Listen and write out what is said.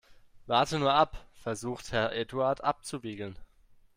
Warte nur ab, versucht Herr Eduard abzuwiegeln.